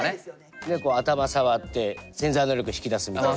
頭触って潜在能力引き出すみたいな。